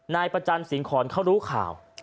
นายประจันสิงหอนเขารู้ข่าว